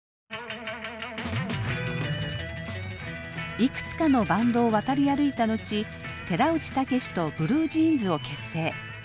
いくつかのバンドを渡り歩いた後寺内タケシとブルージーンズを結成。